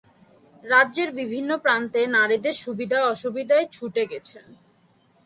রাজ্যের বিভিন্ন প্রান্তে নারীদের সুবিধা অসুবিধায় ছুটে গেছেন।